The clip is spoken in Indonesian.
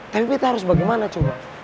tapi bete harus bagaimana cowok